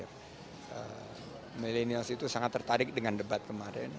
milenial itu sangat tertarik dengan debat kemarin